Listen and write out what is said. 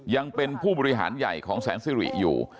ยังเป็นผู้บริหารใหญ่ของแสนสิริอยู่